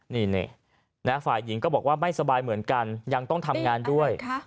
นี่ฝ่ายหญิงก็บอกว่าไม่สบายเหมือนกันยังต้องทำงานด้วย